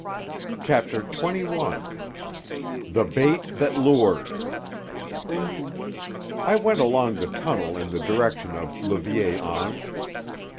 CHAPTER XXI THE BAIT THAT LURED I went along the tunnel in the direction of le Vieil Ange.